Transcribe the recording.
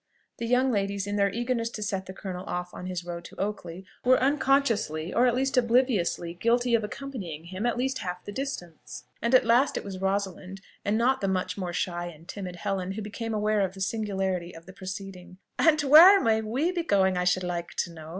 The young ladies, in their eagerness to set the colonel off on his road to Oakley, were unconsciously, or rather most obliviously, guilty of the indecorum of accompanying him at least half the distance; and at last it was Rosalind, and not the much more shy and timid Helen, who became aware of the singularity of the proceeding. "And where may we be going, I should like to know?"